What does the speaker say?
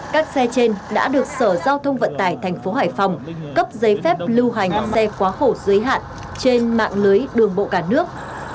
các xe trên đã được sở giao thông vận tải thành phố hải phòng cấp giấy phép lưu hành xe quá khổ giới hạn trên mạng lưới đường bộ cả nước